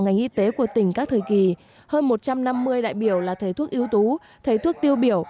ngành y tế của tỉnh các thời kỳ hơn một trăm năm mươi đại biểu là thế thuốc yếu tú thế thuốc tiêu biểu